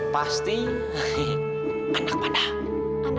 pasti anak panda